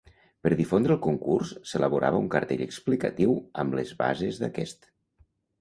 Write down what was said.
Per difondre el concurs s’elaborava un cartell explicatiu amb les bases d'aquest.